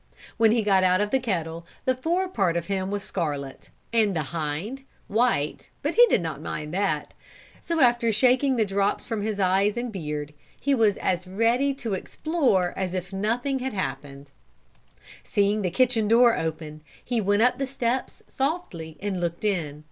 When he got out of the kettle the fore part of him was scarlet, and the hind, white, but he did not mind that, so after shaking the drops from his eyes and beard, he was as ready to explore as if nothing had happened. Seeing the kitchen door open, he went up the steps softly and looked in.